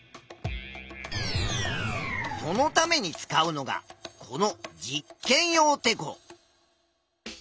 そのために使うのがこの「実験用てこ」。